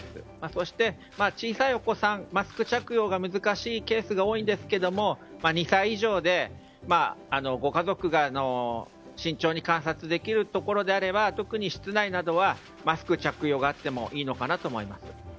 そして、小さいお子さんはマスク着用が難しいケースが多いんですが２歳以上でご家族が慎重に観察できるところであれば特に室内などはマスク着用があってもいいのかなと思います。